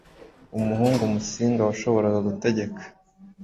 umuhungu Musinga washoboraga gutegeka,